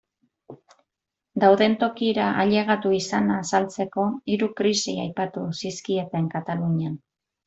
Dauden tokira ailegatu izana azaltzeko, hiru krisi aipatu zizkieten Katalunian.